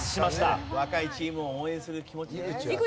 若いチームを応援する気持ち。